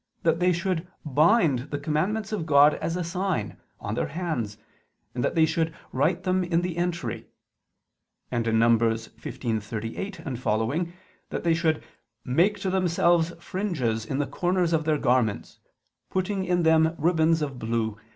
that they should "bind" the commandments of God "as a sign" on their hands; and that they should "write them in the entry"; and (Num. 15:38, seqq.) that they should "make to themselves fringes in the corners of their garments, putting in them ribands of blue